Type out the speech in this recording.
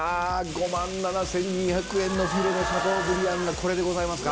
５万７２００円のフィレのシャトーブリアンがこれでございますか。